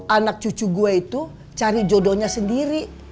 anak cucu gue itu cari jodohnya sendiri